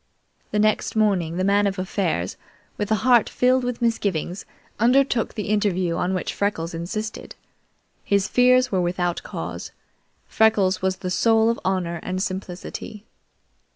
The next morning, the Man of Affairs, with a heart filled with misgivings, undertook the interview on which Freckles insisted. His fears were without cause. Freckles was the soul of honor and simplicity.